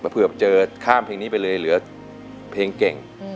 เผื่อเจอข้ามเพลงนี้ไปเลยเหลือเพลงเก่ง